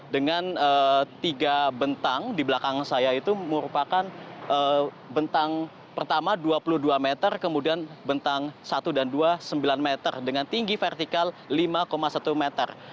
dengan tiga bentang di belakang saya itu merupakan bentang pertama dua puluh dua meter kemudian bentang satu dan dua sembilan meter dengan tinggi vertikal lima satu meter